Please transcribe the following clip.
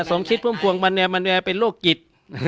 สงคริสต์พรุ่งมันเนี่ยเป็นโรคกิจ